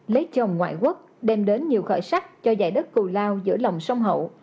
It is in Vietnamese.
lấy chồng ngoại quốc đem đến nhiều khởi sắc cho dạy đất cù lao giữa lồng sông hậu